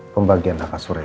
pembahagian lakas suri ya